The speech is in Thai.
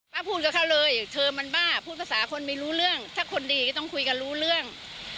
พูดกับเขาเลยเธอมันบ้าพูดภาษาคนไม่รู้เรื่องถ้าคนดีก็ต้องคุยกันรู้เรื่อง